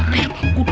yuk yuk yuk